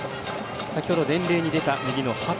先ほど伝令に出た、右の畑。